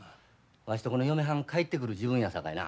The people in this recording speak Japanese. わしとこの嫁はん帰ってくる時分やさかいな。